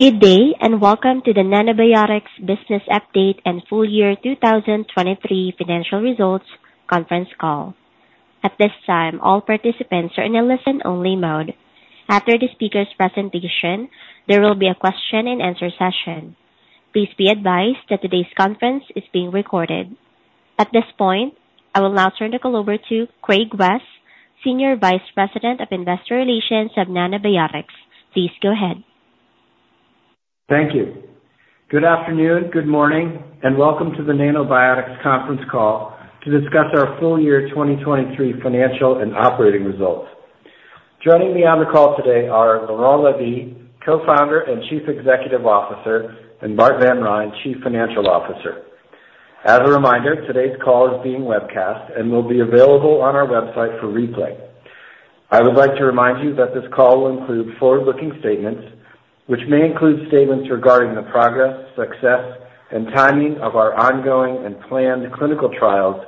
Good day, and welcome to the Nanobiotix Business Update and Full Year 2023 Financial Results Conference Call. At this time, all participants are in a listen-only mode. After the speaker's presentation, there will be a question and answer session. Please be advised that today's conference is being recorded. At this point, I will now turn the call over to Craig West, Senior Vice President of Investor Relations of Nanobiotix. Please go ahead. Thank you. Good afternoon, good morning, and welcome to the Nanobiotix conference call to discuss our full year 2023 financial and operating results. Joining me on the call today are Laurent Lévy, Co-founder and Chief Executive Officer, and Bart van Rhijn, Chief Financial Officer. As a reminder, today's call is being webcast and will be available on our website for replay. I would like to remind you that this call will include forward-looking statements, which may include statements regarding the progress, success, and timing of our ongoing and planned clinical trials,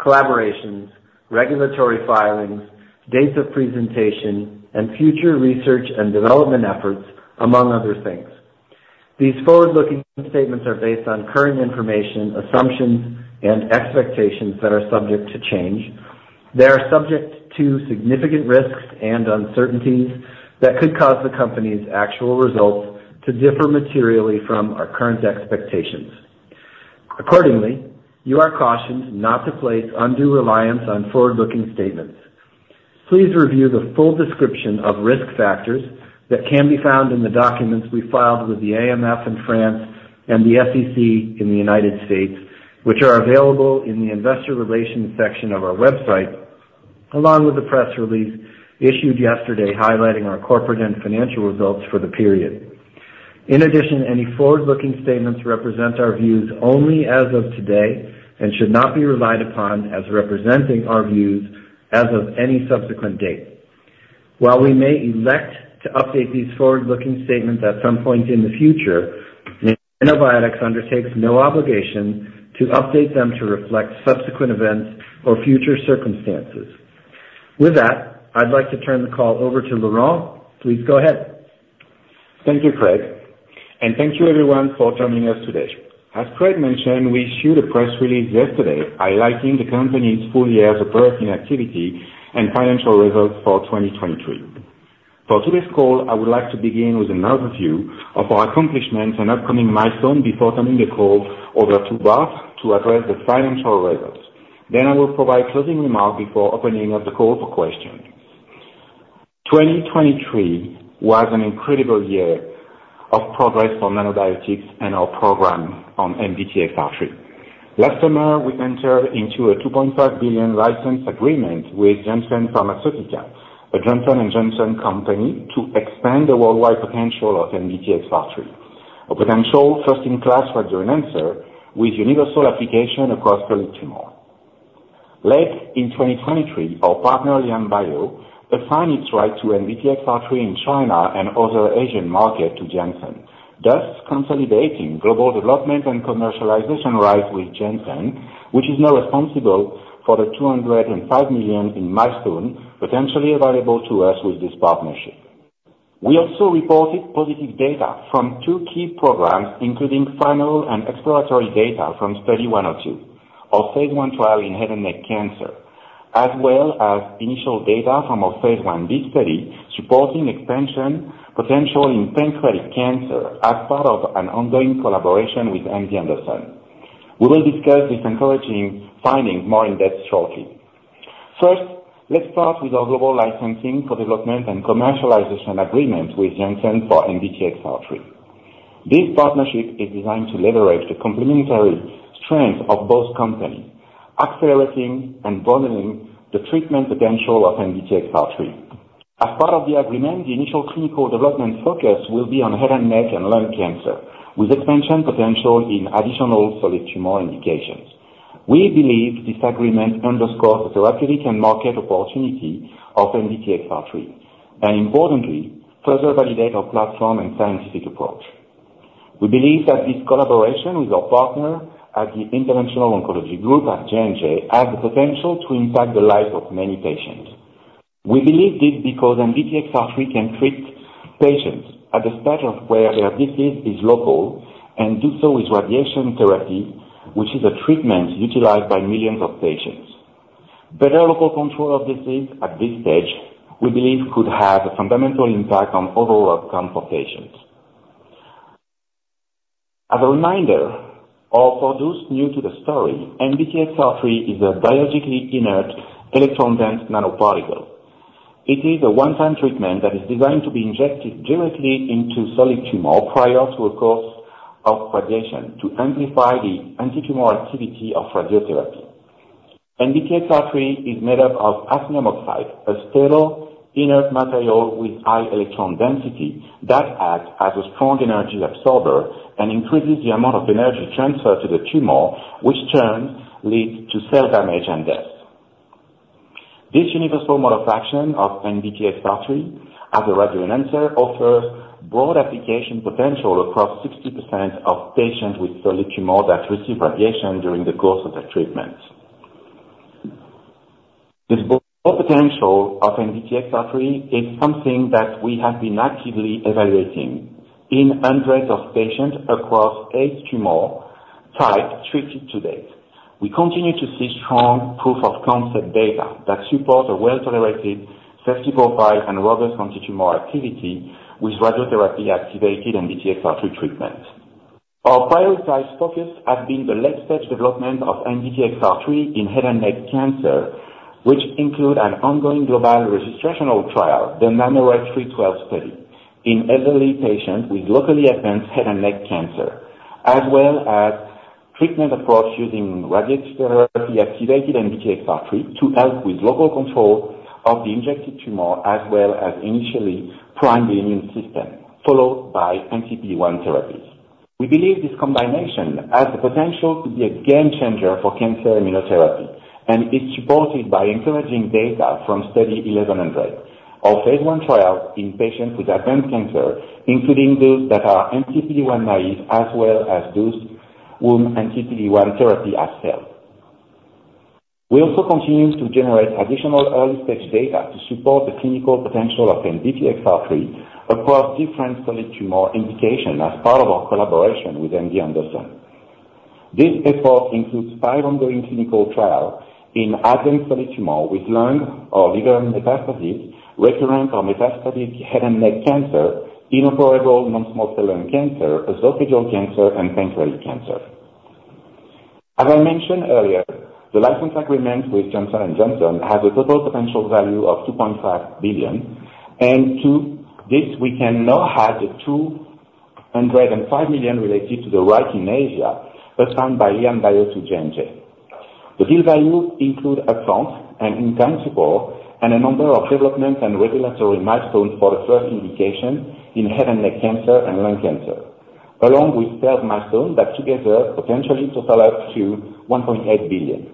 collaborations, regulatory filings, dates of presentation, and future research and development efforts, among other things. These forward-looking statements are based on current information, assumptions, and expectations that are subject to change. They are subject to significant risks and uncertainties that could cause the company's actual results to differ materially from our current expectations. Accordingly, you are cautioned not to place undue reliance on forward-looking statements. Please review the full description of risk factors that can be found in the documents we filed with the AMF in France and the SEC in the United States, which are available in the investor relations section of our website, along with the press release issued yesterday, highlighting our corporate and financial results for the period. In addition, any forward-looking statements represent our views only as of today and should not be relied upon as representing our views as of any subsequent date. While we may elect to update these forward-looking statements at some point in the future, Nanobiotix undertakes no obligation to update them to reflect subsequent events or future circumstances. With that, I'd like to turn the call over to Laurent. Please go ahead. Thank you, Craig, and thank you everyone for joining us today. As Craig mentioned, we issued a press release yesterday highlighting the company's full year of operating activity and financial results for 2023. For today's call, I would like to begin with an overview of our accomplishments and upcoming milestone before turning the call over to Bart to address the financial results. Then I will provide closing remarks before opening up the call for questions. 2023 was an incredible year of progress for Nanobiotix and our program on NBTXR3. Last summer, we entered into a $2.5 billion license agreement with Janssen Pharmaceutica, a Johnson & Johnson company, to expand the worldwide potential of NBTXR3, a potential first-in-class radioenhancer with universal application across solid tumor. Late in 2023, our partner, LianBio, assigned its right to NBTXR3 in China and other Asian market to Janssen, thus consolidating global development and commercialization rights with Janssen, which is now responsible for the $205 million in milestone potentially available to us with this partnership. We also reported positive data from two key programs, including final and exploratory data from Study 102, our Phase 1 trial in head and neck cancer, as well as initial data from our Phase 1b study, supporting expansion potential in pancreatic cancer as part of an ongoing collaboration with MD Anderson. We will discuss this encouraging finding more in depth shortly. First, let's start with our global licensing for development and commercialization agreement with Janssen for NBTXR3. This partnership is designed to leverage the complementary strength of both companies, accelerating and broadening the treatment potential of NBTXR3. As part of the agreement, the initial clinical development focus will be on head and neck and lung cancer, with expansion potential in additional solid tumor indications. We believe this agreement underscores the therapeutic and market opportunity of NBTXR3, and importantly, further validate our platform and scientific approach. We believe that this collaboration with our partner at the Interventional Oncology Group at J&J, has the potential to impact the lives of many patients. We believe this because NBTXR3 can treat patients at the stage of where their disease is local and do so with radiation therapy, which is a treatment utilized by millions of patients. Better local control of disease at this stage, we believe, could have a fundamental impact on overall outcome for patients. As a reminder, or for those new to the story, NBTXR3 is a biologically inert, electron-dense nanoparticle. It is a one-time treatment that is designed to be injected directly into solid tumor prior to a course of radiation, to amplify the antitumor activity of radiotherapy. NBTXR3 is made up of hafnium oxide, a sterile, inert material with high electron density that acts as a strong energy absorber and increases the amount of energy transferred to the tumor, which in turn leads to cell damage and death. This universal mode of action of NBTXR3 as a radioenhancer, offers broad application potential across 60% of patients with solid tumor that receive radiation during the course of their treatment.... The full potential of NBTXR3 is something that we have been actively evaluating in hundreds of patients across eight tumor types treated to date. We continue to see strong proof of concept data that supports a well-tolerated safety profile and robust anti-tumor activity with radiotherapy activated NBTXR3 treatment. Our prioritized focus has been the late-stage development of NBTXR3 in head and neck cancer, which include an ongoing global registrational trial, the NANORAY-312 study, in elderly patients with locally advanced head and neck cancer, as well as treatment approach using radiotherapy activated NBTXR3 to help with local control of the injected tumor, as well as initially prime the immune system, followed by anti-PD-1 therapies. We believe this combination has the potential to be a game changer for cancer immunotherapy, and is supported by encouraging data from Study 1100, our Phase 1 trial in patients with advanced cancer, including those that are anti-PD-1 naive, as well as those whom anti-PD-1 therapy has failed. We also continue to generate additional early stage data to support the clinical potential of NBTXR3 across different solid tumor indications as part of our collaboration with MD Anderson. This effort includes five ongoing clinical trials in advanced solid tumor with lung or liver metastases, recurrent or metastatic head and neck cancer, inoperable non-small cell lung cancer, esophageal cancer, and pancreatic cancer. As I mentioned earlier, the license agreement with Johnson & Johnson has a total potential value of $2.5 billion, and to this we can now add the $205 million related to the right in Asia, assigned by LianBio to J&J. The deal value include upfront and in-kind support, and a number of development and regulatory milestones for the first indication in head and neck cancer and lung cancer, along with sales milestones that together potentially total up to $1.8 billion.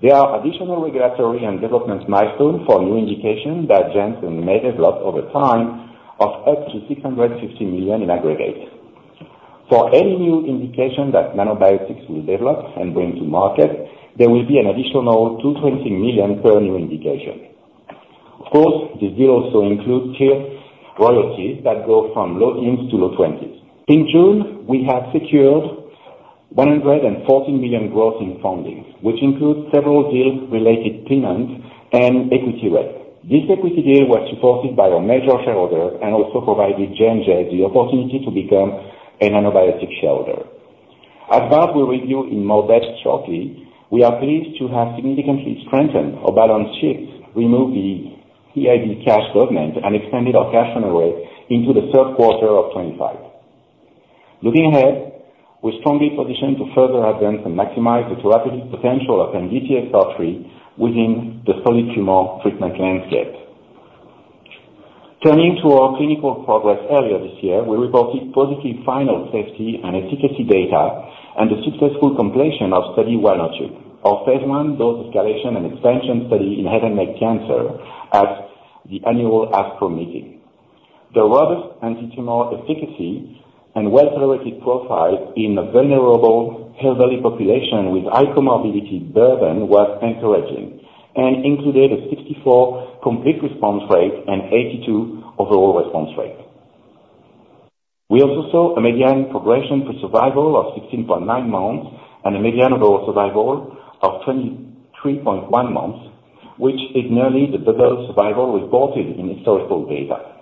There are additional regulatory and development milestones for new indications that J&J may develop over time of up to $650 million in aggregate. For any new indication that Nanobiotix will develop and bring to market, there will be an additional $220 million per new indication. Of course, the deal also includes tiered royalties that go from low teens to low twenties. In June, we have secured $114 million gross in funding, which includes several deal related payments and equity raise. This equity deal was supported by our major shareholder and also provided J&J the opportunity to become a Nanobiotix shareholder. As Bart will review in more depth shortly, we are pleased to have significantly strengthened our balance sheet, removed the EIB cash covenant, and extended our cash runway into the third quarter of 2025. Looking ahead, we're strongly positioned to further advance and maximize the therapeutic potential of NBTXR3 within the solid tumor treatment landscape. Turning to our clinical progress, earlier this year, we reported positive final safety and efficacy data and the successful completion of Study 102, our phase 1 dose escalation and expansion study in head and neck cancer at the annual ASCO meeting. The robust anti-tumor efficacy and well-tolerated profile in a vulnerable elderly population with high comorbidity burden was encouraging, and included a 64 complete response rate and 82 overall response rate. We also saw a median progression-free survival of 16.9 months and a median overall survival of 23.1 months, which is nearly the double survival reported in historical data.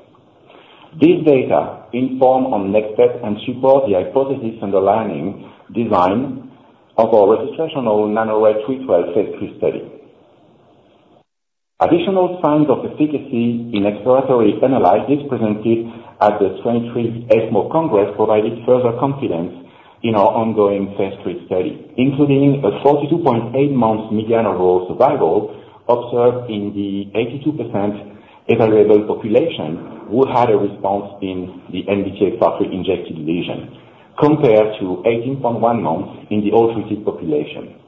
These data inform on next steps and support the hypothesis underlying design of our registrational NANORAY-312 Phase 3 study. Additional signs of efficacy in exploratory analysis presented at the 2023 ESMO Congress provided further confidence in our ongoing Phase 3 study, including a 42.8 months median overall survival observed in the 82% evaluable population, who had a response in the NBTXR3 injected lesion, compared to 18.1 months in the all treated population.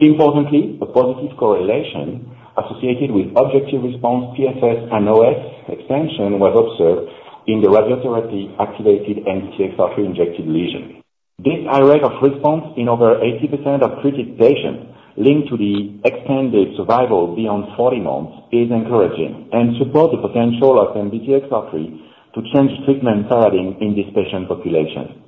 Importantly, a positive correlation associated with objective response, PFS, and OS extension was observed in the radiotherapy activated NBTXR3 injected lesion. This high rate of response in over 80% of treated patients linked to the extended survival beyond 40 months, is encouraging and supports the potential of NBTXR3 to change treatment paradigm in this patient population.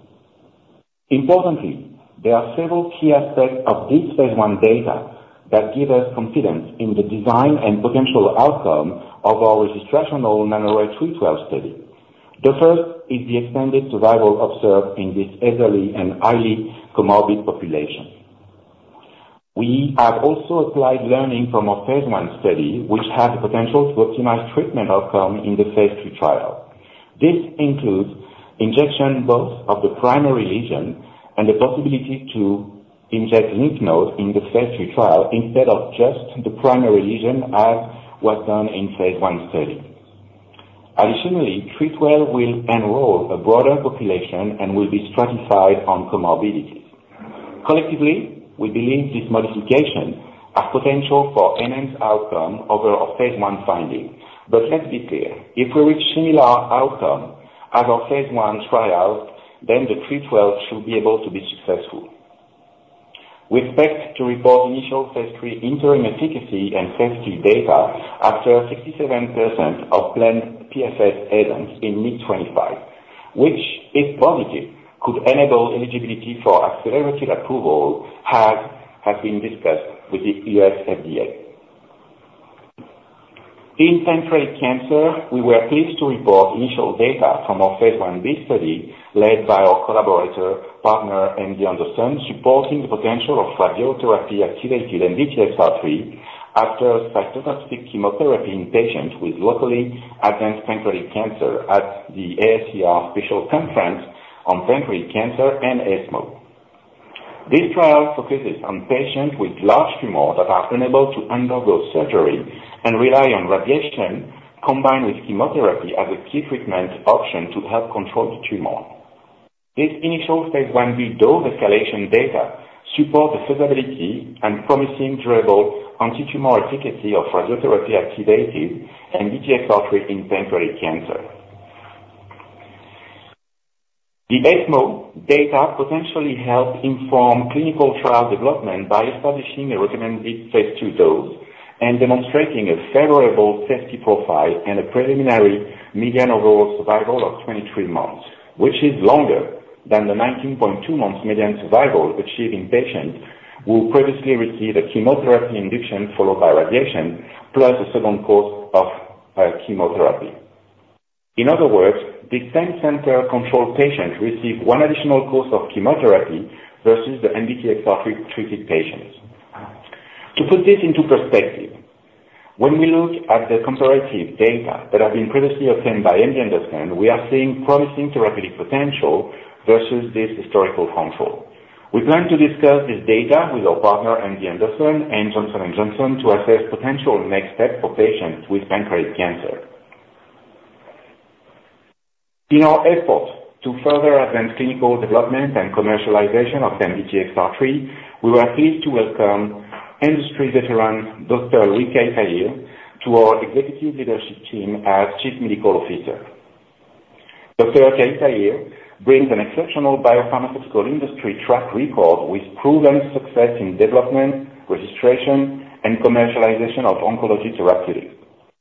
Importantly, there are several key aspects of this Phase 1 data that give us confidence in the design and potential outcome of our registrational NANORAY-312 study. The first is the extended survival observed in this elderly and highly comorbid population. We have also applied learning from our Phase 1 study, which has the potential to optimize treatment outcome in the Phase 3 trial. This includes injection both of the primary lesion and the possibility to inject lymph nodes in the Phase 3 trial, instead of just the primary lesion, as was done in Phase 1 study. Additionally, 312 will enroll a broader population and will be stratified on comorbidities. Collectively, we believe this modification has potential for enhanced outcome over our Phase 1 findings. But let's be clear, if we reach similar outcome as our Phase 1 trial... then the 312 should be able to be successful. We expect to report initial Phase 3 interim efficacy and safety data after 67% of planned PFS events in mid-2025, which, if positive, could enable eligibility for accelerated approval, as has been discussed with the U.S. FDA. In pancreatic cancer, we were pleased to report initial data from our Phase 1b study, led by our collaborator, partner, MD Anderson, supporting the potential of radiotherapy-activated NBTXR3 after cytostatic chemotherapy in patients with locally advanced pancreatic cancer at the AACR Special Conference on Pancreatic Cancer and ESMO. This trial focuses on patients with large tumors that are unable to undergo surgery and rely on radiation combined with chemotherapy as a key treatment option to help control the tumor. This initial Phase 1b dose escalation data support the feasibility and promising durable anti-tumor efficacy of radiotherapy-activated NBTXR3 in pancreatic cancer. The ESMO data potentially help inform clinical trial development by establishing a recommended Phase 2 dose and demonstrating a favorable safety profile and a preliminary median overall survival of 23 months, which is longer than the 19.2 months median survival achieved in patients who previously received a chemotherapy induction followed by radiation, plus a second course of chemotherapy. In other words, the same center control patients receive one additional course of chemotherapy versus the NBTXR3 treated patients. To put this into perspective, when we look at the comparative data that have been previously obtained by MD Anderson, we are seeing promising therapeutic potential versus this historical control. We plan to discuss this data with our partner, MD Anderson, and Johnson & Johnson, to assess potential next steps for patients with pancreatic cancer. In our effort to further advance clinical development and commercialization of NBTXR3, we were pleased to welcome industry veteran, Dr. Louis Kayitalire, to our executive leadership team as Chief Medical Officer. Dr. Louis Kayitalire brings an exceptional biopharmaceutical industry track record with proven success in development, registration, and commercialization of oncology therapeutics.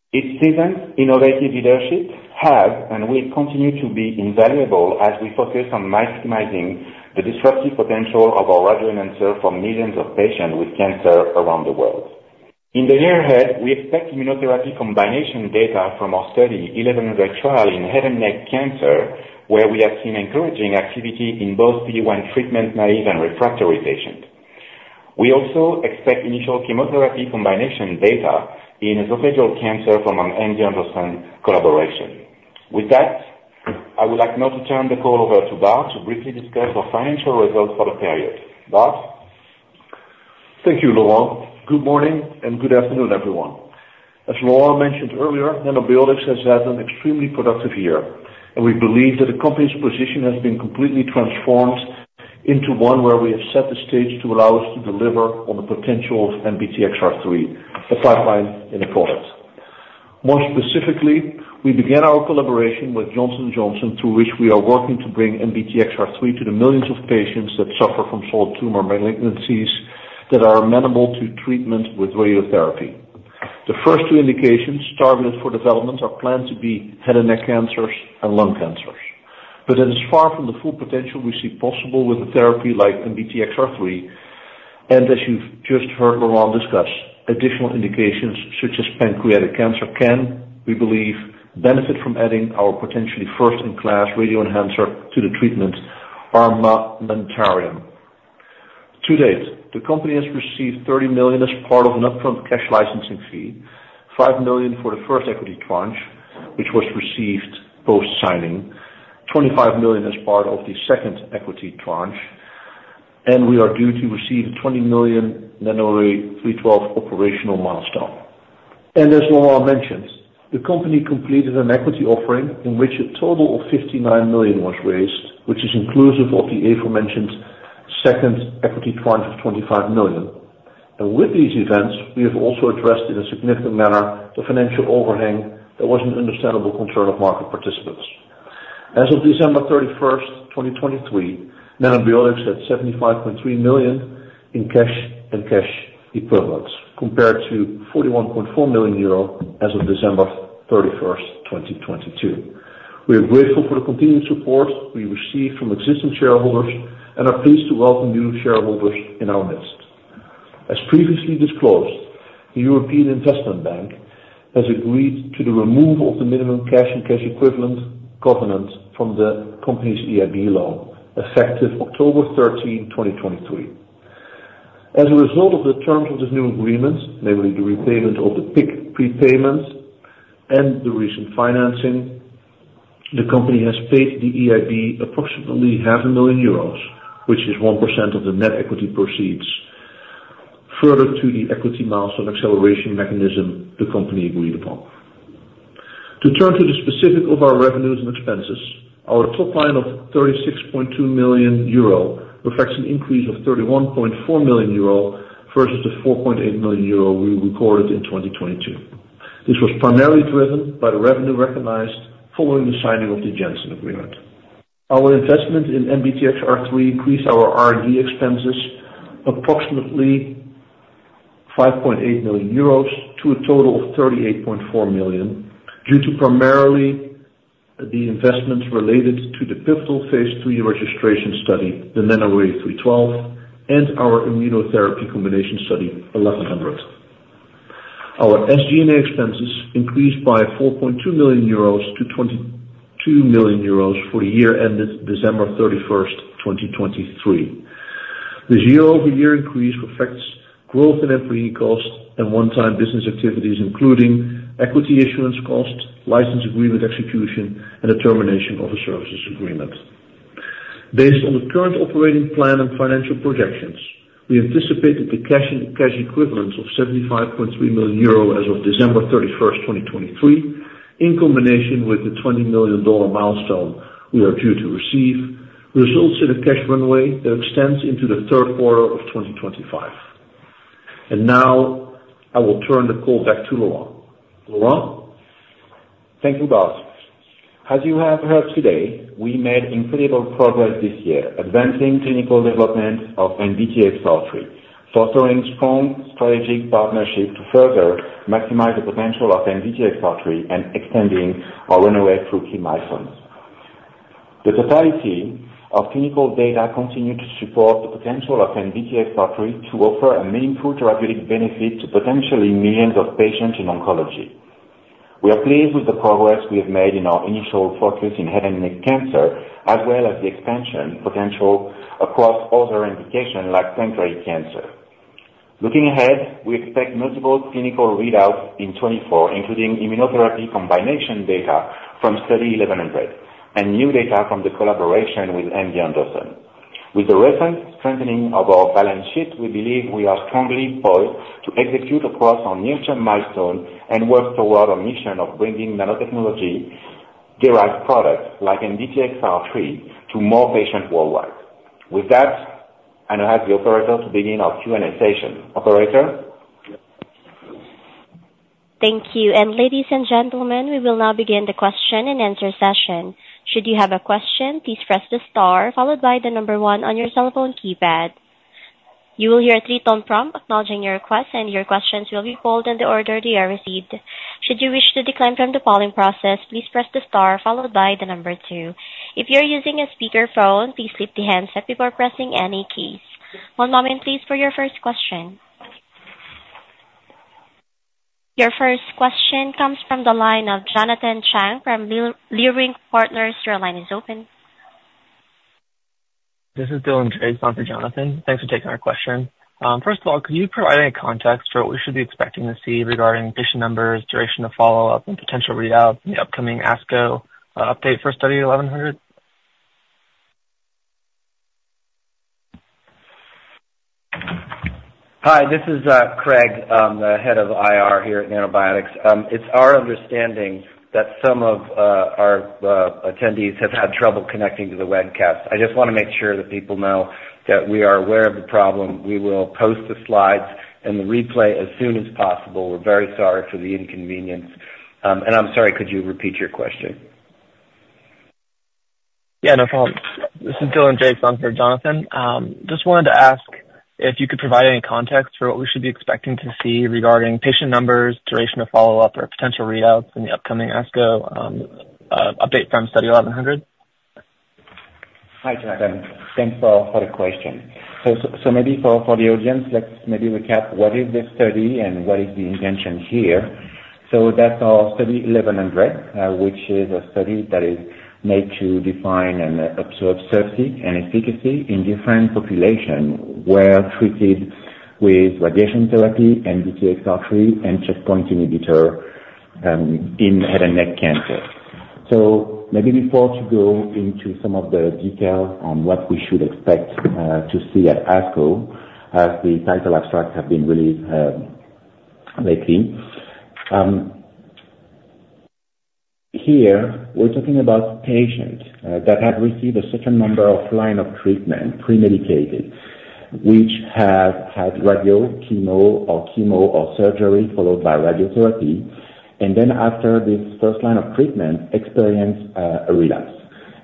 His seasoned, innovative leadership has and will continue to be invaluable as we focus on maximizing the disruptive potential of our radioenhancer for millions of patients with cancer around the world. In the near ahead, we expect immunotherapy combination data from our Study 1100 trial in head and neck cancer, where we have seen encouraging activity in both PD-1 treatment-naive and refractory patients. We also expect initial chemotherapy combination data in esophageal cancer from an MD Anderson collaboration. With that, I would like now to turn the call over to Bart to briefly discuss our financial results for the period. Bart? Thank you, Laurent. Good morning and good afternoon, everyone. As Laurent mentioned earlier, Nanobiotix has had an extremely productive year, and we believe that the company's position has been completely transformed into one where we have set the stage to allow us to deliver on the potential of NBTXR3, the pipeline and the product. More specifically, we began our collaboration with Johnson & Johnson, through which we are working to bring NBTXR3 to the millions of patients that suffer from solid tumor malignancies that are amenable to treatment with radiotherapy. The first two indications targeted for development are planned to be head and neck cancers and lung cancers. But that is far from the full potential we see possible with a therapy like NBTXR3. As you've just heard Laurent discuss, additional indications such as pancreatic cancer can, we believe, benefit from adding our potentially first-in-class radioenhancer to the treatment armamentarium. To date, the company has received 30 million as part of an upfront cash licensing fee, 5 million for the first equity tranche, which was received post-signing, 25 million as part of the second equity tranche, and we are due to receive 20 million NANORAY-312 operational milestone. With these events, we have also addressed in a significant manner the financial overhang that was an understandable concern of market participants. As of December 31st, 2023, Nanobiotix had 75.3 million in cash and cash equivalents, compared to 41.4 million euro as of December 31st, 2022. We are grateful for the continued support we received from existing shareholders and are pleased to welcome new shareholders in our midst. As previously disclosed, the European Investment Bank has agreed to the removal of the minimum cash and cash equivalent covenant from the company's EIB loan, effective October 13, 2023. As a result of the terms of this new agreement, namely the repayment of the PIK prepayment and the recent financing, the company has paid the EIB approximately 500,000 euros, which is 1% of the net equity proceeds, further to the equity milestone acceleration mechanism the company agreed upon. To turn to the specifics of our revenues and expenses, our top line of 36.2 million euro reflects an increase of 31.4 million euro versus the 4.8 million euro we recorded in 2022. This was primarily driven by the revenue recognized following the signing of the Janssen agreement. Our investment in NBTXR3 increased our R&D expenses approximately 5.8 million euros to a total of 38.4 million, due to primarily the investments related to the pivotal Phase 3 registrational study, the NANORAY-312, and our immunotherapy combination study 1100. Our SG&A expenses increased by 4.2 million euros to 22 million euros for the year ended December 31, 2023. This year-over-year increase reflects growth in employee costs and one-time business activities, including equity issuance costs, license agreement execution, and the termination of a services agreement. Based on the current operating plan and financial projections, we anticipated the cash and cash equivalents of 75.3 million euro as of December 31st, 2023, in combination with the $20 million milestone we are due to receive, results in a cash runway that extends into the third quarter of 2025. And now I will turn the call back to Laurent. Laurent? Thank you, Bart. As you have heard today, we made incredible progress this year, advancing clinical development of NBTXR3, fostering strong strategic partnership to further maximize the potential of NBTXR3 and extending our runway through key milestones. The totality of clinical data continue to support the potential of NBTXR3 to offer a meaningful therapeutic benefit to potentially millions of patients in oncology. We are pleased with the progress we have made in our initial focus in head and neck cancer, as well as the expansion potential across other indications like pancreatic cancer. Looking ahead, we expect multiple clinical readouts in 2024, including immunotherapy combination data from Study 1100, and new data from the collaboration with MD Anderson. With the recent strengthening of our balance sheet, we believe we are strongly poised to execute across our near-term milestone and work toward our mission of bringing nanotechnology-derived products like NBTXR3 to more patients worldwide. With that, I now ask the operator to begin our Q&A session. Operator? Thank you. Ladies and gentlemen, we will now begin the question-and-answer session. Should you have a question, please press the star followed by the number 1 on your cell phone keypad. You will hear a 3-tone prompt acknowledging your request, and your questions will be pulled in the order they are received. Should you wish to decline from the polling process, please press the star followed by the number 2. If you're using a speakerphone, please lift the handset before pressing any keys. One moment, please, for your first question. Your first question comes from the line of Jonathan Chang from Leerink Partners. Your line is open. This is Dylan Jason for Jonathan. Thanks for taking our question. First of all, could you provide any context for what we should be expecting to see regarding patient numbers, duration of follow-up, and potential readout in the upcoming ASCO update for Study 1100? Hi, this is Craig, the head of IR here at Nanobiotix. It's our understanding that some of our attendees have had trouble connecting to the webcast. I just wanna make sure that people know that we are aware of the problem. We will post the slides and the replay as soon as possible. We're very sorry for the inconvenience. And I'm sorry, could you repeat your question? Yeah, no problem. This is Dylan Jason for Jonathan. Just wanted to ask if you could provide any context for what we should be expecting to see regarding patient numbers, duration of follow-up, or potential readouts in the upcoming ASCO update from Study 1100? Hi, Jonathan. Thanks for the question. So, maybe for the audience, let's maybe recap what is this study and what is the intention here. So that's our Study 1100, which is a study that is made to define and observe safety and efficacy in different population, where treated with radiation therapy, NBTXR3, and checkpoint inhibitor in head and neck cancer. So maybe before to go into some of the detail on what we should expect to see at ASCO, as the title abstract have been released lately. Here, we're talking about patients that have received a certain number of line of treatment, pre-medicated, which have had radio, chemo, or surgery, followed by radiotherapy, and then after this first line of treatment, experience a relapse.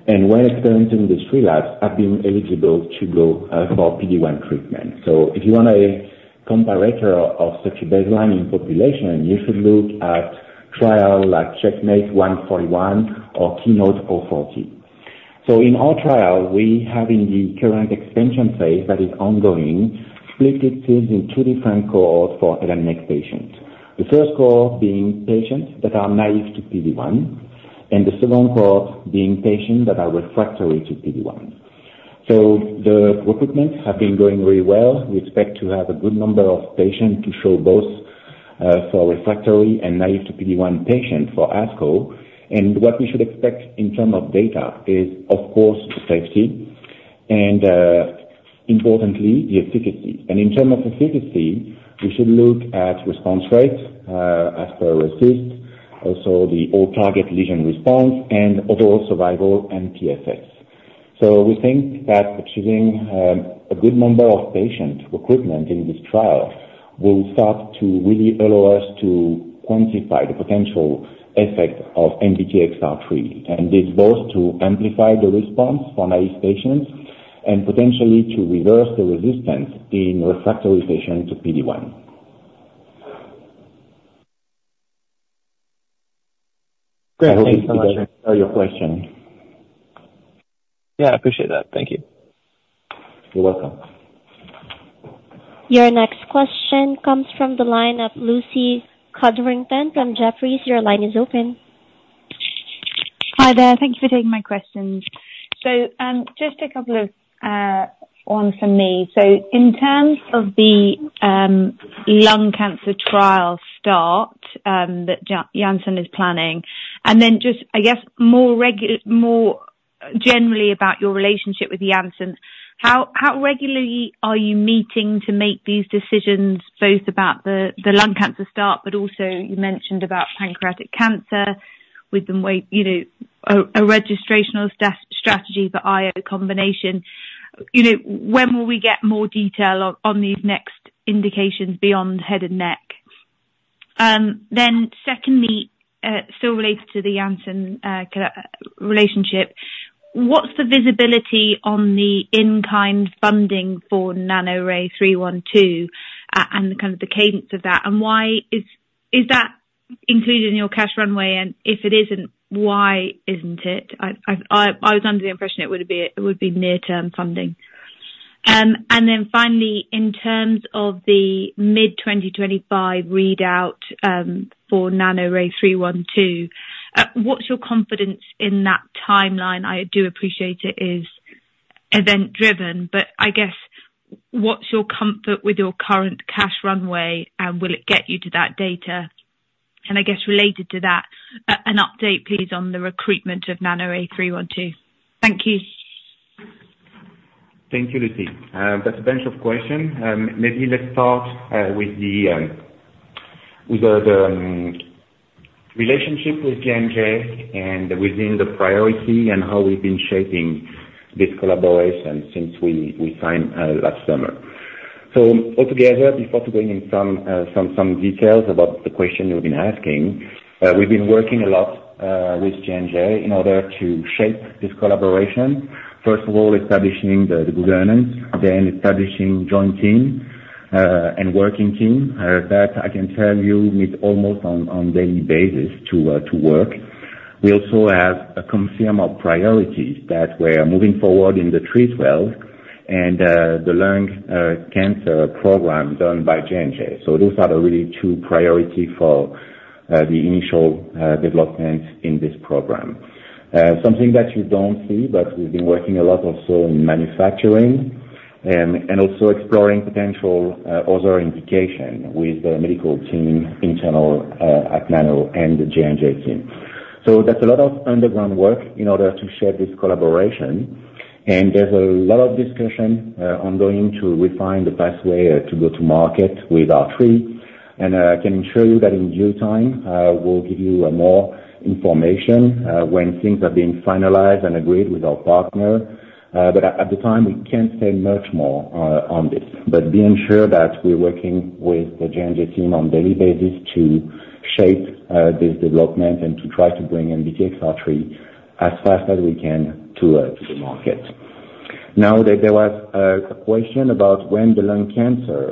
And when experiencing this relapse, have been eligible to go for PD-1 treatment. So if you want a comparator of such a baseline in population, you should look at trial like CheckMate 141 or Keynote-440. So in our trial, we have in the current expansion phase that is ongoing, split the teams in two different cohorts for head and neck patients. The first cohort being patients that are naive to PD-1, and the second cohort being patients that are refractory to PD-1. So the recruitments have been going very well. We expect to have a good number of patients to show both for refractory and naive to PD-1 patients for ASCO. And what we should expect in terms of data is, of course, safety, and importantly, the efficacy. And in terms of efficacy, we should look at response rates as per RECIST, also the overall target lesion response and overall survival and TSS. So we think that achieving a good number of patient recruitment in this trial will start to really allow us to quantify the potential effect of NBTXR3, and it's both to amplify the response for naive patients and potentially to reverse the resistance in refractoriness to PD-1. Great. Thank you so much. I hope answer your question. Yeah, I appreciate that. Thank you. You're welcome. Your next question comes from the line of Lucy Codrington from Jefferies. Your line is open. Hi there. Thank you for taking my questions. So, just a couple of one from me. So in terms of the lung cancer trial start that Janssen is planning, and then just, I guess, more generally about your relationship with Janssen, how regularly are you meeting to make these decisions, both about the lung cancer start, but also you mentioned about pancreatic cancer with the way, you know, a registrational strategy for IO combination. You know, when will we get more detail on these next indications beyond head and neck? Then secondly, still related to the Janssen relationship, what's the visibility on the in-kind funding for NANORAY-312 and kind of the cadence of that, and why... Is that included in your cash runway? If it isn't, why isn't it? I was under the impression it would be near-term funding. And then finally, in terms of the mid-2025 readout for NANORAY-312, what's your confidence in that timeline? I do appreciate it is event-driven, but I guess, what's your comfort with your current cash runway, and will it get you to that data? And I guess related to that, an update, please, on the recruitment of NANORAY-312. Thank you. Thank you, Lucy. That's a bunch of questions. Maybe let's start with the relationship with J&J and within the priority and how we've been shaping this collaboration since we signed last summer. So altogether, before going in some details about the question you've been asking, we've been working a lot with J&J in order to shape this collaboration. First of all, establishing the governance, then establishing joint team and working team. That I can tell you, we meet almost on daily basis to work. We also have a confirmation of priorities that we're moving forward in the three trial and the lung cancer program done by J&J. So those are the really two priority for the initial development in this program. Something that you don't see, but we've been working a lot also in manufacturing, and also exploring potential other indication with the medical team internal at Nano and the J&J team. So that's a lot of underground work in order to shape this collaboration, and there's a lot of discussion ongoing to refine the best way to go to market with NBTXR3. And I can assure you that in due time we'll give you more information when things have been finalized and agreed with our partner. But at the time, we can't say much more on this. But be ensured that we're working with the J&J team on daily basis to shape this development and to try to bring NBTXR3 as fast as we can to the market. Now, there was a question about when the lung cancer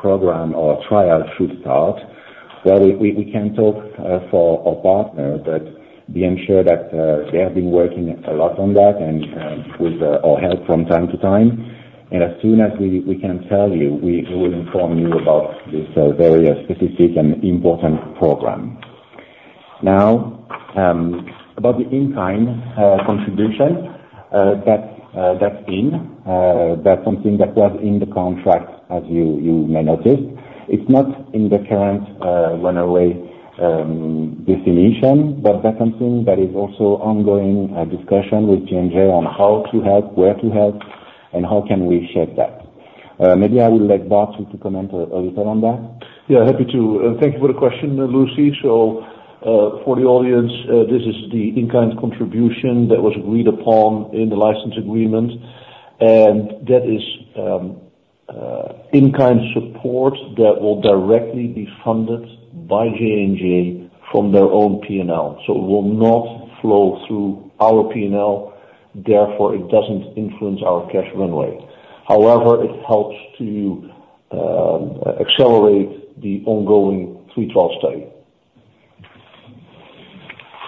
program or trial should start. Well, we can't talk for our partner, but be ensured that they have been working a lot on that and with our help from time to time. And as soon as we can tell you, we will inform you about this very specific and important program. Now, about the in-kind contribution that that's something that was in the contract, as you may notice. It's not in the current runway definition, but that's something that is also ongoing discussion with J&J on how to help, where to help, and how can we shape that. Maybe I will let Bart comment a little on that. Yeah, happy to. Thank you for the question, Lucy. So, for the audience, this is the in-kind contribution that was agreed upon in the license agreement, and that is in-kind support that will directly be funded by J&J from their own PNL. So it will not flow through our PNL, therefore, it doesn't influence our cash runway. However, it helps to accelerate the ongoing three trial study.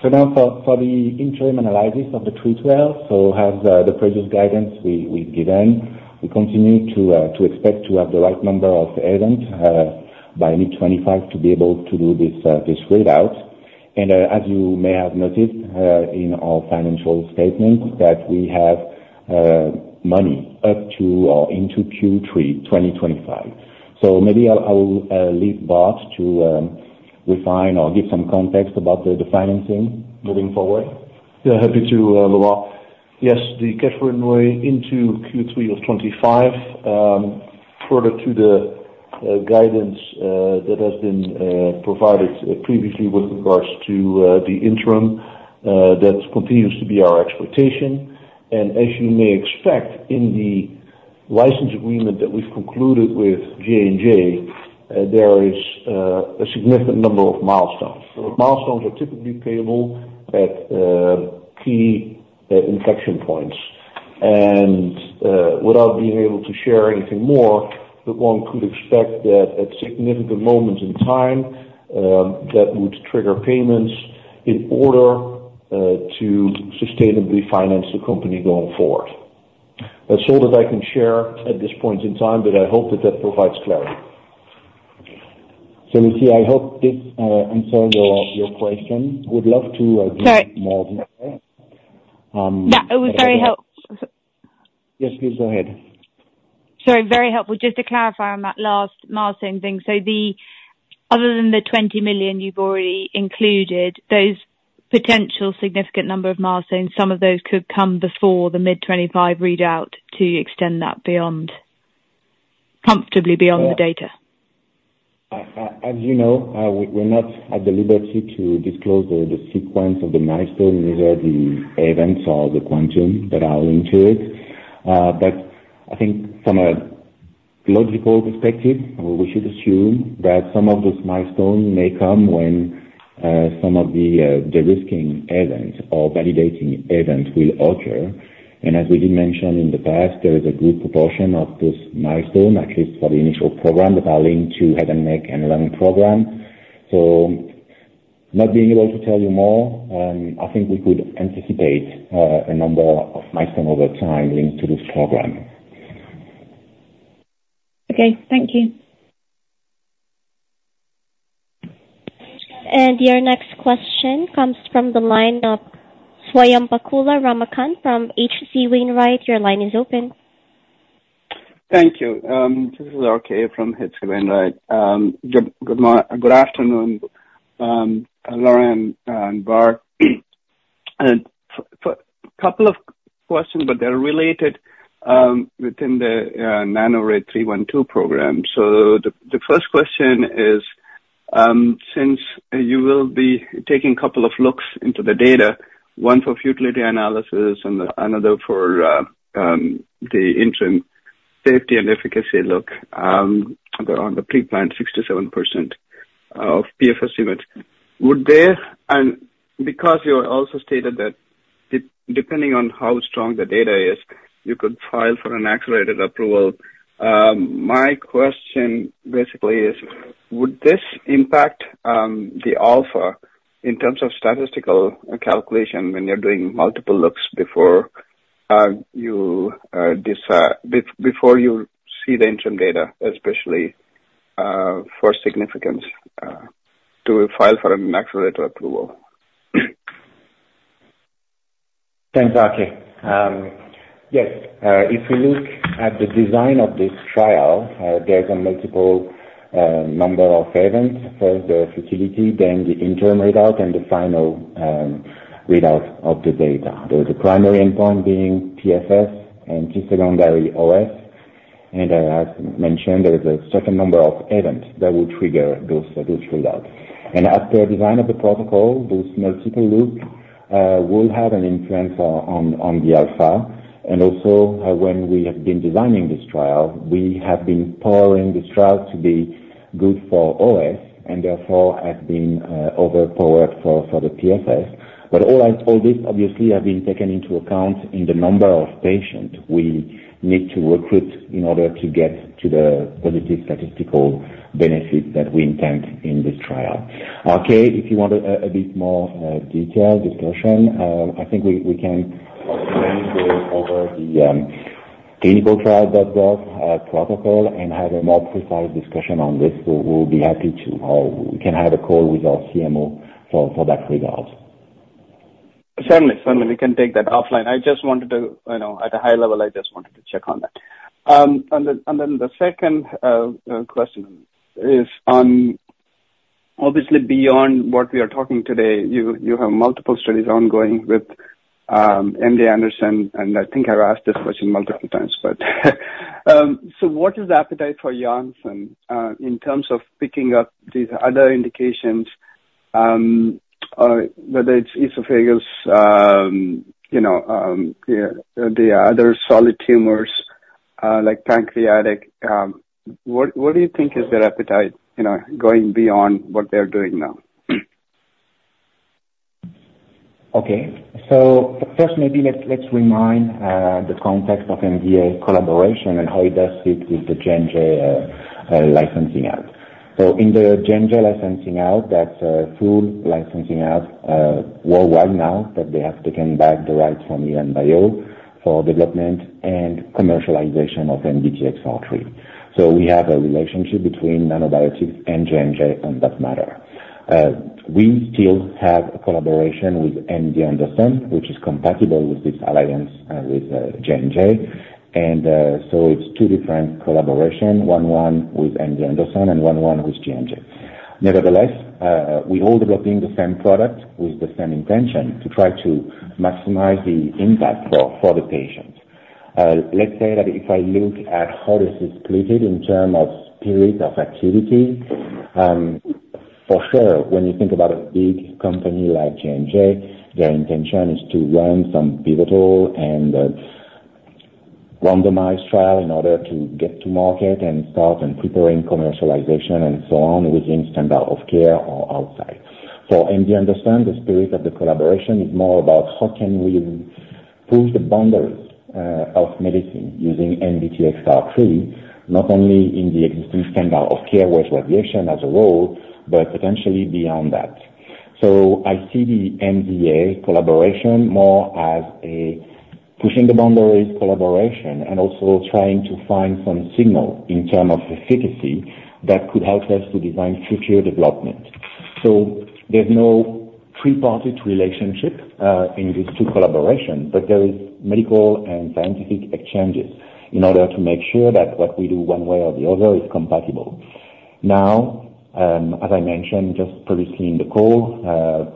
So now for the interim analysis of the three trial, as the previous guidance we've given, we continue to expect to have the right number of agents by mid-2025 to be able to do this readout. And as you may have noticed in our financial statement, that we have money up to or into Q3 2025. So maybe I will leave Bart to refine or give some context about the financing moving forward. Yeah, happy to, Laurent. Yes, the cash runway into Q3 of 2025,... Further to the guidance that has been provided previously with regards to the interim, that continues to be our expectation. And as you may expect, in the license agreement that we've concluded with J&J, there is a significant number of milestones. Milestones are typically payable at key inflection points. And without being able to share anything more, that one could expect that at significant moments in time, that would trigger payments in order to sustainably finance the company going forward. That's all that I can share at this point in time, but I hope that that provides clarity. So Lucy, I hope this answer your question. Would love to Sorry. -um. No, it was very help- Yes, please go ahead. Sorry, very helpful. Just to clarify on that last milestone thing, so other than the $20 million you've already included, those potential significant number of milestones, some of those could come before the mid-2025 readout to extend that beyond, comfortably beyond the data? As you know, we're not at the liberty to disclose the sequence of the milestone, neither the events or the quantum that are into it. But I think from a logical perspective, we should assume that some of those milestones may come when some of the risking events or validating events will occur. And as we did mention in the past, there is a good proportion of this milestone, at least for the initial program, that are linked to head and neck and lung program. So not being able to tell you more, I think we could anticipate a number of milestone over time linked to this program. Okay, thank you. Your next question comes from the line of Swayampakula Ramakanth from H.C. Wainwright. Your line is open. Thank you. This is RK from H.C. Wainwright. Good afternoon, Laurent and Bart. A couple of questions, but they're related within the NANORAY-312 program. So the first question is, since you will be taking a couple of looks into the data, one for futility analysis and another for the interim safety and efficacy look around the pre-planned 67% of PFS events. Would there... And because you also stated that depending on how strong the data is, you could file for an accelerated approval. My question basically is: Would this impact the alpha in terms of statistical calculation when you're doing multiple looks before you decide before you see the interim data, especially for significance to file for an accelerated approval? Thanks, RK. Yes, if we look at the design of this trial, there's a multiple number of events. First, the futility, then the interim readout, and the final readout of the data. There's a primary endpoint being PFS and two secondary OS, and as mentioned, there is a certain number of events that will trigger those roll out. And as per design of the protocol, those multiple loop will have an influence on the alpha. And also, when we have been designing this trial, we have been powering this trial to be good for OS, and therefore have been overpowered for the PFS. But all this obviously have been taken into account in the number of patients we need to recruit in order to get to the positive statistical benefit that we intend in this trial. RK, if you want a bit more detail discussion, I think we can obviously go over the ClinicalTrials.gov protocol, and have a more precise discussion on this. We'll be happy to, or we can have a call with our CMO for that result. Certainly, certainly, we can take that offline. I just wanted to, you know, at a high level, I just wanted to check on that. And then the second question is on obviously beyond what we are talking today, you have multiple studies ongoing with MD Anderson, and I think I've asked this question multiple times, but so what is the appetite for Janssen in terms of picking up these other indications, whether it's esophagus, you know, the other solid tumors, like pancreatic, what do you think is their appetite, you know, going beyond what they're doing now? Okay. So first, maybe let's remind the context of our collaboration and how it fits with the J&J licensing out. So in the J&J licensing out, that's a full licensing out worldwide now that they have taken back the rights from LianBio for development and commercialization of NBTXR3. So we have a relationship between Nanobiotix and J&J on that matter. We still have a collaboration with MD Anderson, which is compatible with this alliance with J&J. And so it's two different collaboration, one-one with MD Anderson and one-one with J&J. Nevertheless, we're all developing the same product with the same intention to try to maximize the impact for the patient. Let's say that if I look at how this is split in terms of period of activity, for sure, when you think about a big company like J&J, their intention is to run some pivotal and randomized trial in order to get to market and start and preparing commercialization and so on, within standard of care or outside. So MD Anderson the spirit of the collaboration is more about how can we push the boundaries of medicine using NBTXR3, not only in the existing standard of care with radiation as a whole, but potentially beyond that. So I see the MDA collaboration more as a pushing the boundaries collaboration and also trying to find some signal in terms of efficacy that could help us to design future development. So there's no three-party relationship in these two collaborations, but there is medical and scientific exchanges in order to make sure that what we do one way or the other is compatible. Now, as I mentioned, just previously in the call,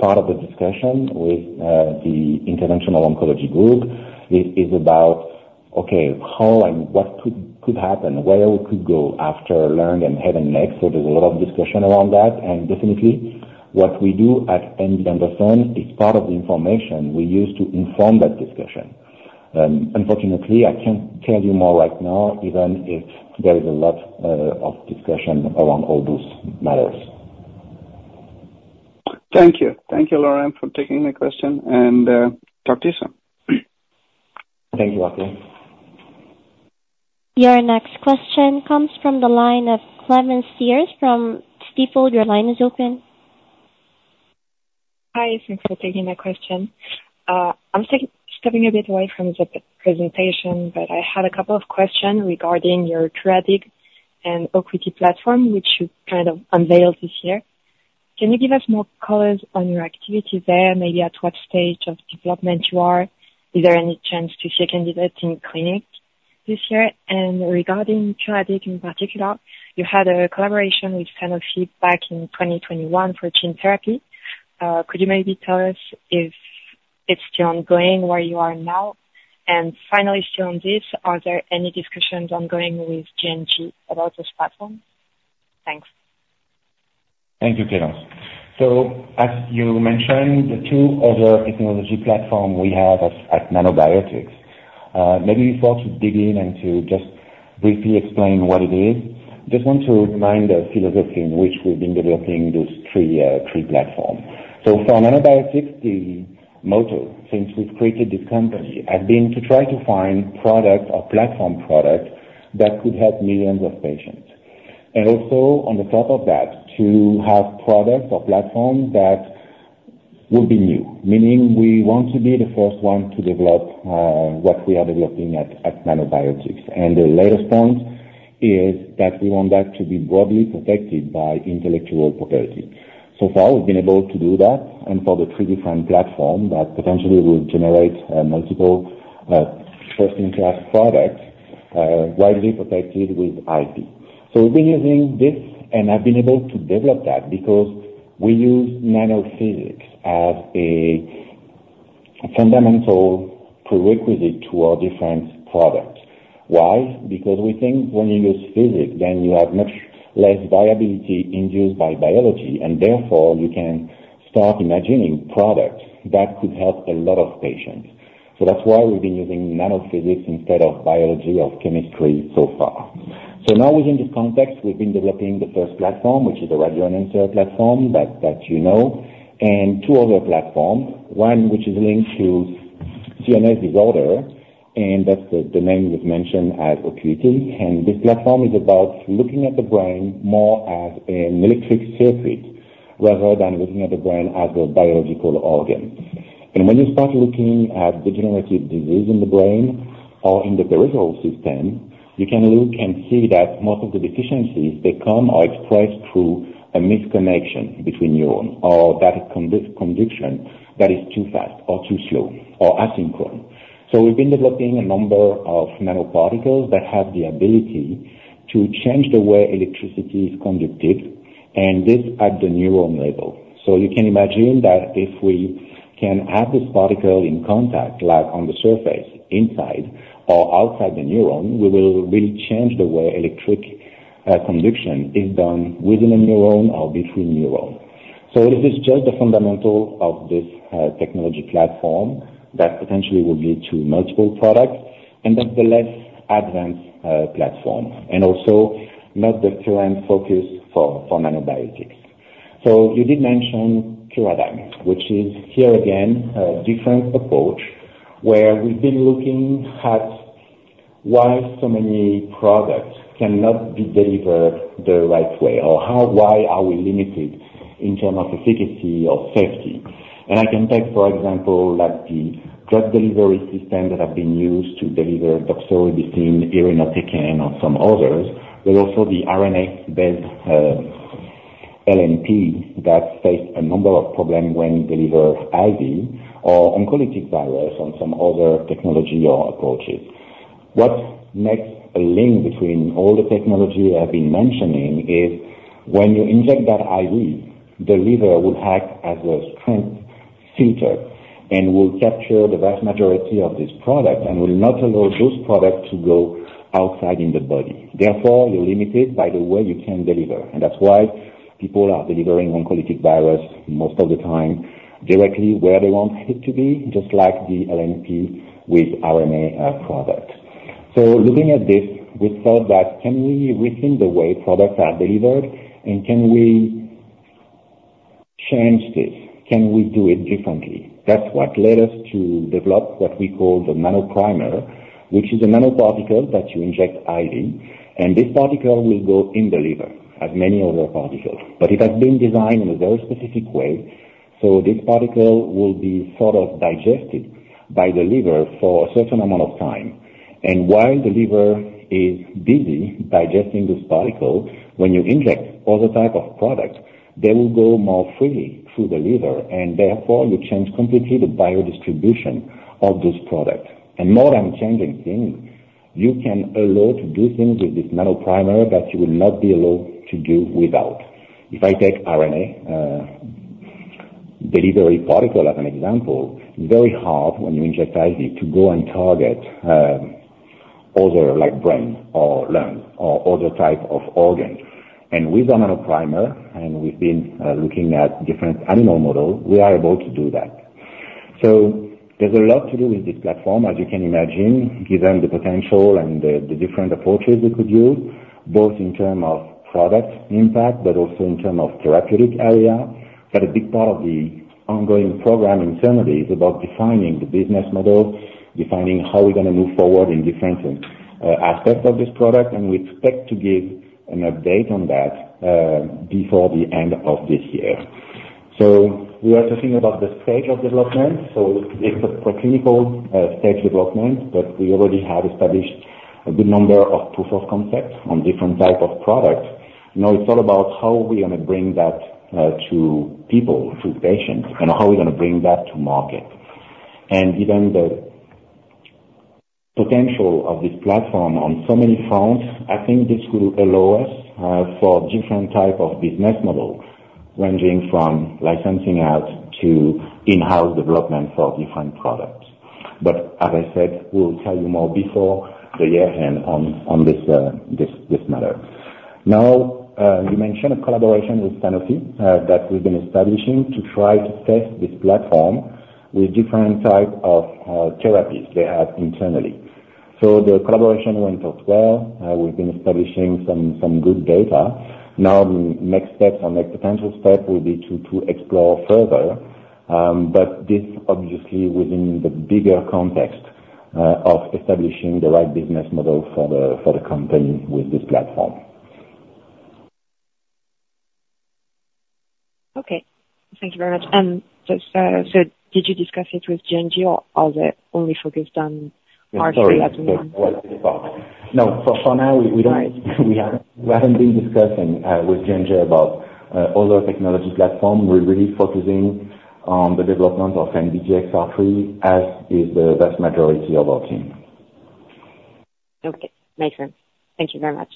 part of the discussion with the interventional oncology group is about how and what could happen, where we could go after learning and having next. So there's a lot of discussion around that, and definitely what we do at MD Anderson is part of the information we use to inform that discussion. Unfortunately, I can't tell you more right now, even if there is a lot of discussion around all those matters. Thank you. Thank you, Laurent, for taking my question, and talk to you soon. Thank you, RK. Your next question comes from the line of Clemence Thiers from Stifel. Your line is open. Hi, thanks for taking my question. I'm stepping a bit away from the presentation, but I had a couple of questions regarding your Curadigm and Ocuity platform, which you kind of unveiled this year. Can you give us more color on your activity there, maybe at what stage of development you are? Is there any chance to see a candidate in clinic this year? And regarding Curadigm in particular, you had a collaboration with Sanofi back in 2021 for gene therapy. Could you maybe tell us if it's still ongoing, where you are now? And finally, still on this, are there any discussions ongoing with J&J about this platform? Thanks. Thank you, Clemence. So as you mentioned, the two other technology platform we have at Nanobiotix. Maybe before to dig in and to just briefly explain what it is, just want to remind the philosophy in which we've been developing these three, three platform. So for Nanobiotix, the motto, since we've created this company, has been to try to find products or platform products that could help millions of patients. And also on the top of that, to have products or platforms that will be new, meaning we want to be the first one to develop what we are developing at Nanobiotix. And the latest point is that we want that to be broadly protected by intellectual property. So far, we've been able to do that, and for the three different platform that potentially will generate multiple first-in-class products widely protected with IP. So we've been using this and have been able to develop that because we use nanophysics as a fundamental prerequisite to our different products. Why? Because we think when you use physics, then you have much less variability induced by biology, and therefore, you can start imagining products that could help a lot of patients. So that's why we've been using nanophysics instead of biology or chemistry so far. So now within this context, we've been developing the first platform, which is a radioenhancer platform that you know, and two other platforms, one which is linked to CNS disorder, and that's the name was mentioned as Ocuity. This platform is about looking at the brain more as an electric circuit, rather than looking at the brain as a biological organ. When you start looking at degenerative disease in the brain or in the peripheral system, you can look and see that most of the deficiencies, they come or expressed through a misconnection between neuron or that conduction that is too fast or too slow or asynchronous. So we've been developing a number of nanoparticles that have the ability to change the way electricity is conducted, and this at the neuron level. So you can imagine that if we can have this particle in contact, like on the surface, inside or outside the neuron, we will really change the way electric conduction is done within a neuron or between neuron. So this is just the fundamental of this technology platform that potentially will lead to multiple products and that's the less advanced platform, and also not the current focus for Nanobiotix. So you did mention Curadigm, which is, here again, a different approach, where we've been looking at why so many products cannot be delivered the right way, or how, why are we limited in terms of efficacy or safety? And I can take, for example, like the drug delivery system that have been used to deliver doxorubicin, irinotecan, or some others, but also the RNA-based LNP that face a number of problems when delivered IV or oncolytic virus on some other technology or approaches. What makes a link between all the technology I've been mentioning is when you inject that IV, the liver will act as a strength filter and will capture the vast majority of this product and will not allow those products to go outside in the body. Therefore, you're limited by the way you can deliver, and that's why people are delivering oncolytic virus most of the time, directly where they want it to be, just like the LNP with RNA product. So looking at this, we thought that can we rethink the way products are delivered and can we change this? Can we do it differently? That's what led us to develop what we call the nanoprimer, which is a nanoparticle that you inject IV, and this particle will go in the liver as many other particles. But it has been designed in a very specific way, so this particle will be sort of digested by the liver for a certain amount of time. And while the liver is busy digesting this particle, when you inject other type of products, they will go more freely through the liver, and therefore you change completely the biodistribution of this product. And more than changing things, you can allow to do things with this nanoprimer that you will not be allowed to do without. If I take RNA delivery particle as an example, very hard when you inject IV to go and target other, like, brain or lung or other type of organ. And with the nanoprimer, and we've been looking at different animal models, we are able to do that. So there's a lot to do with this platform, as you can imagine, given the potential and the, the different approaches we could use, both in terms of product impact, but also in terms of therapeutic area. But a big part of the ongoing program internally is about defining the business model, defining how we're gonna move forward in different aspects of this product. And we expect to give an update on that before the end of this year. So we are talking about the stage of development. So it's a preclinical stage development, but we already have established a good number of proof of concept on different type of products. Now it's all about how we're gonna bring that to people, to patients, and how we're gonna bring that to market. Given the potential of this platform on so many fronts, I think this will allow us for different type of business models, ranging from licensing out to in-house development for different products. But as I said, we'll tell you more before the year end on this matter. Now, you mentioned a collaboration with Sanofi that we've been establishing to try to test this platform with different type of therapies they have internally. So the collaboration went out well. We've been establishing some good data. Now, next steps or next potential step will be to explore further, but this obviously within the bigger context of establishing the right business model for the company with this platform. Okay. Thank you very much. And just, so did you discuss it with J&J, or are they only focused on? No, for now, we don't- Right. We haven't, we haven't been discussing with J&J about other technology platform. We're really focusing on the development of NBTXR3, as is the vast majority of our team. Okay. Make sense. Thank you very much.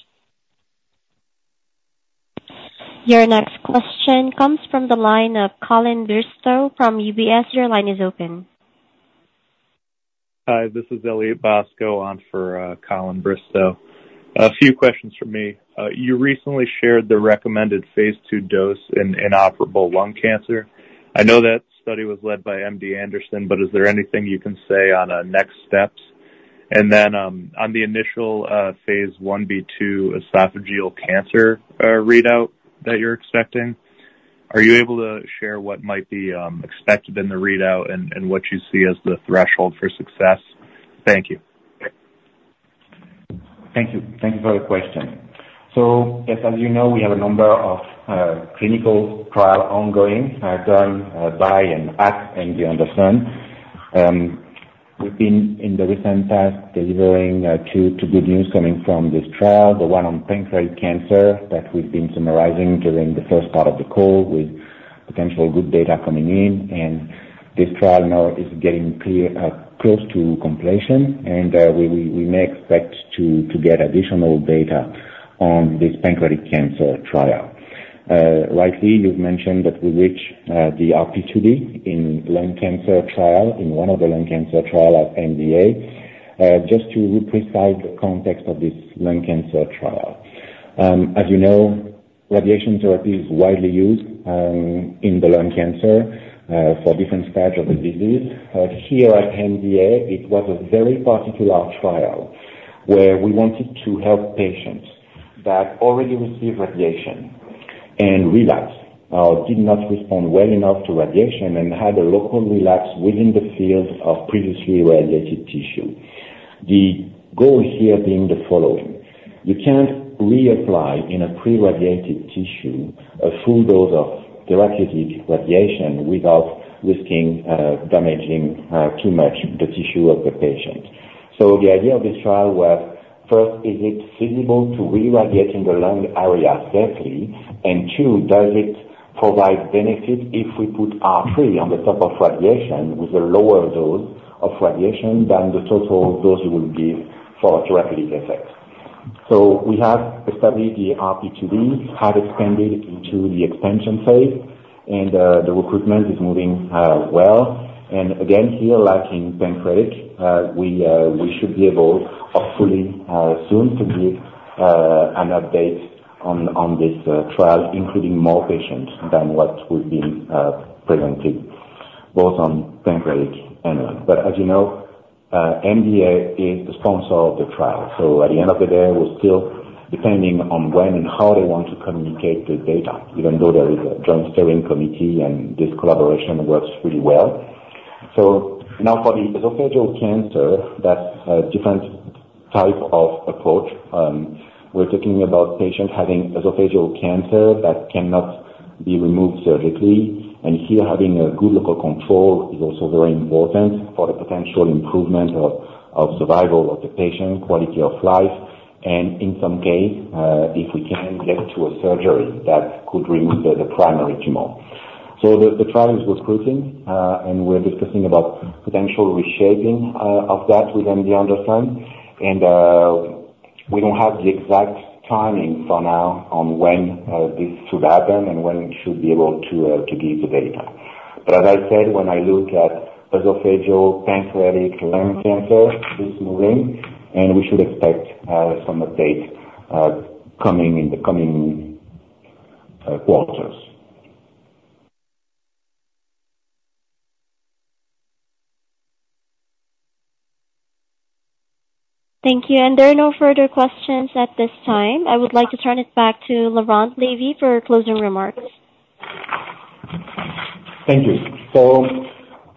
Your next question comes from the line of Colin Bristow from UBS. Your line is open. Hi, this is Elliott Bosco on for, Colin Bristow. A few questions from me. You recently shared the recommended Phase 2 dose in inoperable lung cancer. I know that study was led by MD Anderson, but is there anything you can say on, next steps? And then, on the initial, Phase 1b to esophageal cancer, readout that you're expecting, are you able to share what might be, expected in the readout and, and what you see as the threshold for success? Thank you. Thank you. Thank you for the question. So as you know, we have a number of clinical trial ongoing, done by and at MD Anderson. We've been, in the recent past, delivering two good news coming from this trial. The one on pancreatic cancer that we've been summarizing during the first part of the call, with potential good data coming in, and this trial now is getting clear close to completion, and we may expect to get additional data on this pancreatic cancer trial. Rightly, you've mentioned that we reached the RP2D in lung cancer trial, in one of the lung cancer trial at MDA. Just to reprise the context of this lung cancer trial. As you know, radiation therapy is widely used in the lung cancer for different stage of the disease. Here at MDA, it was a very particular trial, where we wanted to help patients that already received radiation and relapsed, or did not respond well enough to radiation and had a local relapse within the field of previously radiated tissue. The goal here being the following: You can't reapply in a pre-radiated tissue, a full dose of directly radiation without risking damaging too much the tissue of the patient. So the idea of this trial was, first, is it feasible to re-radiate in the lung area safely? And two, does it provide benefit if we put R3 on the top of radiation, with a lower dose of radiation than the total dose it will give for a directly effect. So we have established the RP2D, have expanded into the expansion phase, and the recruitment is moving well. And again, here, like in pancreatic, we should be able, hopefully, soon to give an update on this trial, including more patients than what we've been presenting, both on pancreatic and lung. But as you know, MDA is the sponsor of the trial. So at the end of the day, we're still depending on when and how they want to communicate the data, even though there is a joint steering committee and this collaboration works pretty well. So now for the esophageal cancer, that's a different type of approach. We're talking about patients having esophageal cancer that cannot be removed surgically, and here, having a good local control is also very important for the potential improvement of survival of the patient, quality of life, and in some case, if we can get to a surgery that could remove the primary tumor. So the trials was recruiting, and we're discussing about potential reshaping of that within the understanding. And we don't have the exact timing for now on when this should happen and when we should be able to give the data. But as I said, when I look at esophageal, pancreatic, lung cancer, it's moving, and we should expect some update coming in the coming quarters. Thank you. There are no further questions at this time. I would like to turn it back to Laurent Lévy for closing remarks. Thank you.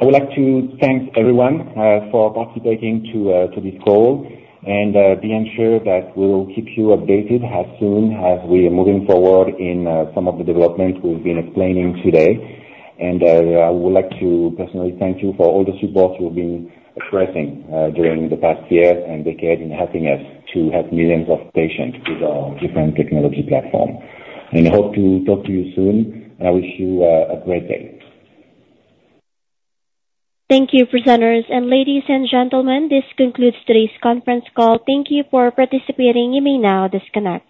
I would like to thank everyone for participating to this call, and be ensured that we will keep you updated as soon as we are moving forward in some of the developments we've been explaining today. I would like to personally thank you for all the support you've been expressing during the past year and decade in helping us to help millions of patients with our different technology platform. I hope to talk to you soon, and I wish you a great day. Thank you, presenters, and ladies and gentlemen, this concludes today's conference call. Thank you for participating. You may now disconnect.